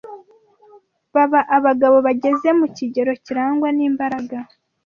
baba abagabo bageze mu kigero kirangwa n’imbaraga